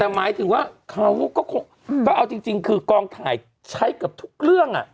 แต่หมายถึงว่าเขาก็เอาจริงคือกองถ่ายใช้เกือบทุกเรื่อง